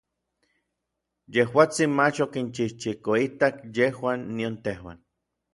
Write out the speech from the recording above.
Yejuatsin mach okinchijchikoitak yejuan nion tejuan.